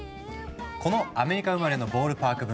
このアメリカ生まれのボールパーク文化